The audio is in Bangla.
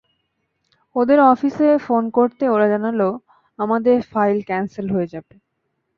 ওদের অফিসে ফোন করতেই ওরা জানাল আমাদের ফাইল ক্যানসেল হয়ে যাবে।